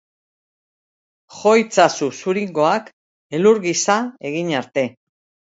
Jo itzazu zuringoak elur gisa egin arte.